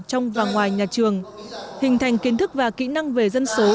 trong và ngoài nhà trường hình thành kiến thức và kỹ năng về dân số